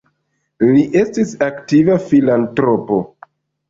Li estis aktiva filantropo.